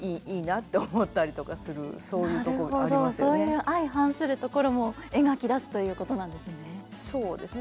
そういう相反するところも描き出すということなんですね。